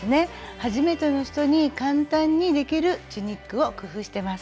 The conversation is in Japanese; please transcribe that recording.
初めての人に簡単にできるチュニックを工夫してます。